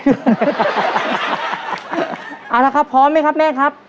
เอาละครับพร้อมไหมครับแม่ครับ